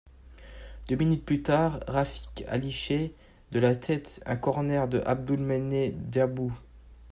Deux minutes plus tard, Rafik Halliche de la tête un corner de Abdelmoumene Djabou.